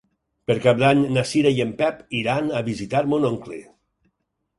Per Cap d'Any na Cira i en Pep iran a visitar mon oncle.